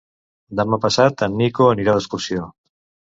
Demà passat en Nico anirà d'excursió.